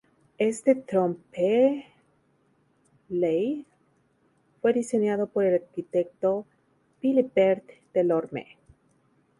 Este trompe-l'œil fue diseñado por el arquitecto Philibert Delorme.